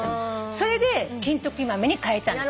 それで金時豆にかえたんです。